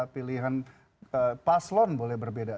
pilihan paslon boleh berbeda